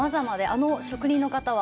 あの職人の方は